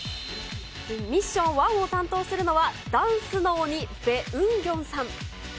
ミッションワンを担当するのは、ダンスの鬼、べ・ウンギョンさん。